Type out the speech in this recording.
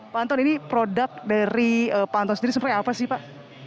pak anton ini produk dari pak anton sendiri seperti apa sih pak